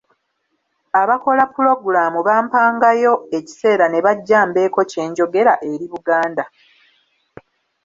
Abakola pulogulamu bampangayo ekiseera ne bajja mbeeko kye njogera eri Buganda.